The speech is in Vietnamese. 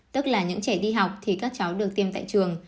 tức là những trẻ đi học thì các cháu được tiêm tại trường